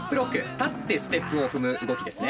立ってステップを踏む動きですね。